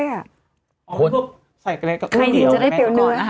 ใส่กันเลยกับคนเดียวไหม